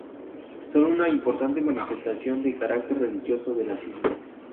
Son una importante manifestación de carácter religioso de las islas.